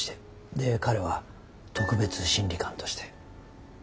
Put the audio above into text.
で彼は特別審理官として。